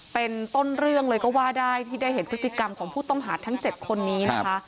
เป็นต้นเรื่องเลยก็ว่าได้ที่ได้เห็นพฤติกรรมของผู้ต้องหาทั้ง๗คนนี้นะคะ